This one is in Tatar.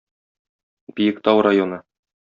Биектау районы